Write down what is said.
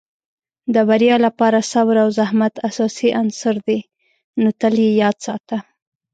د بریا لپاره صبر او زحمت اساسي عناصر دي، نو تل یې یاد ساته.